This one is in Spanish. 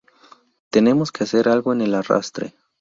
Tenemos que hacer algo en el arrastre.